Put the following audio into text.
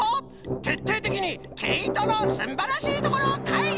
てっていてきにけいとのすんばらしいところかいぎ！